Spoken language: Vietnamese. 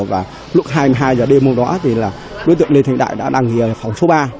và lúc hai mươi hai h đêm hôm đó đối tượng lê thanh đại đã đang nghỉ ở phòng số ba